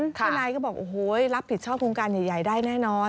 เจ้านายก็บอกรับผิดชอบโครงการใหญ่ได้แน่นอน